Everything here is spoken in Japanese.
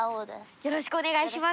よろしくお願いします。